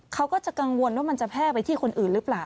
เขาก็จะกังวลว่ามันจะแพร่ไปที่คนอื่นหรือเปล่า